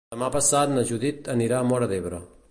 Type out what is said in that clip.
Demà passat na Judit anirà a Móra d'Ebre.